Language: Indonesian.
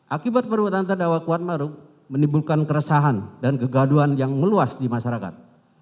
akibat perbuatan terdakwa kuatmaruf menimbulkan keresahan dan kegaduhan yang meluas di masyarakat